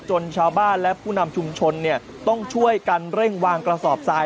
ชาวบ้านและผู้นำชุมชนต้องช่วยกันเร่งวางกระสอบทราย